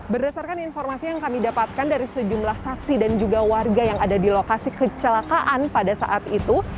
berdasarkan informasi yang kami dapatkan dari sejumlah saksi dan juga warga yang ada di lokasi kecelakaan pada saat itu